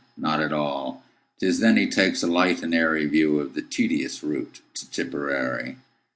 Not at all.'T is then he takes a light and airyView of the tedious route to Tipperary.